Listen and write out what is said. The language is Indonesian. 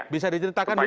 bisa diceritakan dulu pak